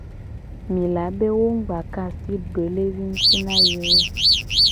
Mi la be wo mu gba ka asi doelevi nguti na ye o.